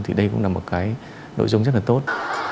thì đây cũng là một cái nội dung rất là tốt